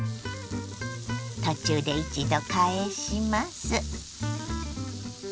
途中で一度返します。